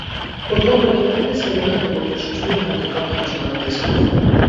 Կոթողը կերտելիս հեղինակը ոգեշնչվել է հայկական խաչքարի տեսքով։